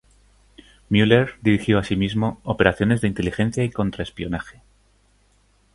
Müller dirigió asimismo operaciones de inteligencia y contraespionaje.